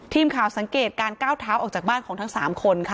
ทีมข่าวสังเกตการก้าวเท้าออกจากบ้านของทั้ง๓คนค่ะ